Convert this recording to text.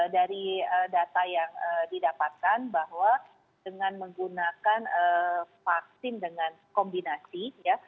dari data yang didapatkan bahwa dengan menggunakan vaksin dengan kombinasi ya